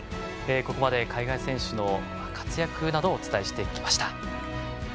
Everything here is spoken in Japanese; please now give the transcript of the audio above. ここまで海外選手の活躍などをお伝えしてきました。